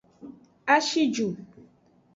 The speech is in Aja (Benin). A shi ju.